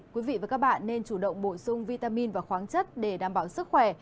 quý vị và các bạn nên chủ động bổ sung vitamin và khoáng chất để đảm bảo sức khỏe